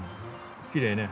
きれいね。